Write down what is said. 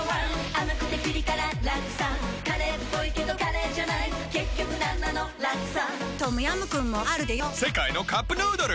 甘くてピリ辛ラクサカレーっぽいけどカレーじゃない結局なんなのラクサトムヤムクンもあるでヨ世界のカップヌードル